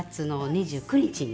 ２９日に。